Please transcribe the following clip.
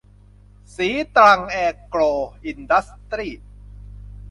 ศรีตรังแอโกรอินดัสทรี